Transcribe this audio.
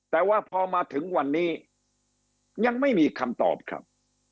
แต่ว่าพอมาถึงวันนี้ยังไม่มีคำตอบครับ